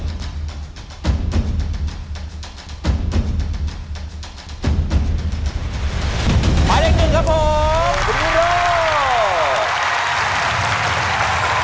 หมายเลข๑ครับผม